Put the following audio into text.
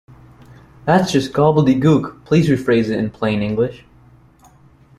That’s just gobbledegook! Please rephrase it in plain English